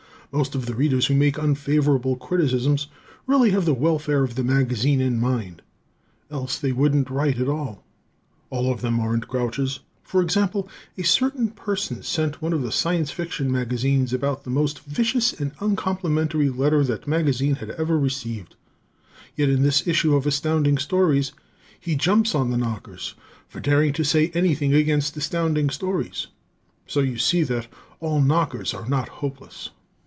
Most of the Readers who make unfavorable criticisms really have the welfare of the magazine in mind, else they wouldn't write at all. All of them aren't grouches. For example: a certain person sent one of the Science Fiction magazines about the most vicious and uncomplimentary letter that magazine had ever received. Yet in this issue of Astounding Stories he jumps on the knockers for daring to say anything against Astounding Stories! So you see that all knockers are not hopeless!